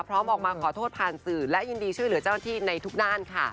พร้อมออกมาขอโทษผ่านสื่อและยินดีช่วยเหลือเจ้าหน้าที่ในทุกด้านค่ะ